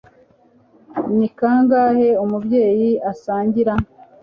Ni kangahe umubyeyi asangira